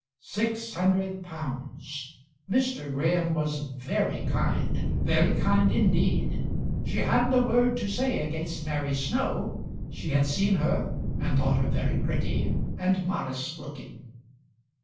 Six hundred pounds! Mr. Graham was very kind very kind indeed. She hadn't a word to say against Mary Snow. She had seen her, and thought her very pretty and modest looking.